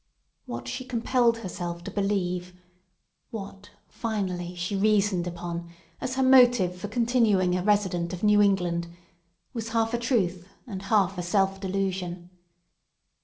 What she compelled herself to believe—what, finally, she reasoned upon as her motive for continuing a resident of New England—was half a truth, and half a self delusion.